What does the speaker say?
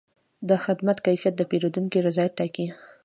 د خدمت کیفیت د پیرودونکي رضایت ټاکي.